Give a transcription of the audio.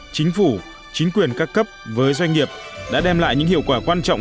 chính phủ chính quyền các cấp với doanh nghiệp đã đem lại những hiệu quả quan trọng